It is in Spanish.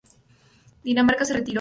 Dinamarca se retiró.